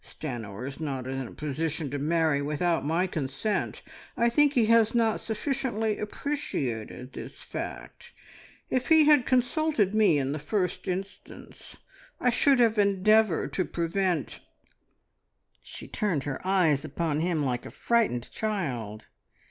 Stanor is not in a position to marry without my consent. I think he has not sufficiently appreciated this fact. If he had consulted me in the first instance I should have endeavoured to prevent " She turned her eyes upon him like a frightened child.